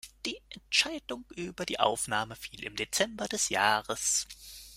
Die Entscheidung über die Aufnahme fiel im Dezember des Jahres.